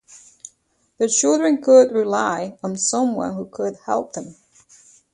The children could rely on someone who could help them.